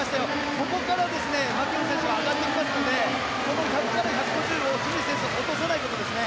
ここからマキュオン選手が上がってきますのでこの１００ｍから１５０ｍをスミス選手が落とさないことですね。